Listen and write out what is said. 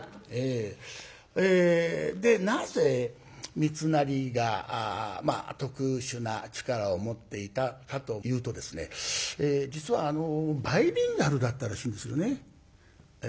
でなぜみつなりが特殊な力を持っていたかというとですね実はバイリンガルだったらしいんですよね。